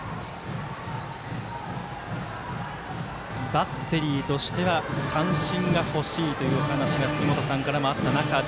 バッテリーとしては三振が欲しいという話が杉本さんからもあった中で。